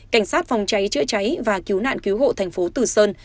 cảnh sát phòng cháy chữa cháy và cứu nạn cứu hộ thành phố tử sơn